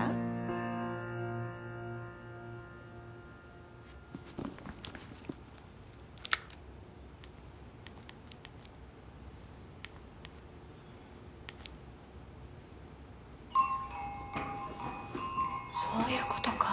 現在そういうことか。